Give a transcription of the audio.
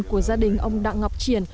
của gia đình ông đặng ngọc triển